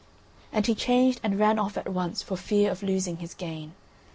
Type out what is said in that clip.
And he changed and ran off at once for fear of losing his gain.